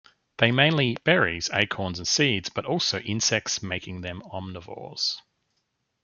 They mainly eat berries, acorns, and seeds, but also insects, making them omnivores.